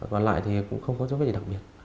còn lại thì cũng không có chút gì đặc biệt